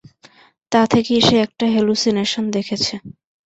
তা থেকেই সে একটা হেলুসিনেশন দেখেছে।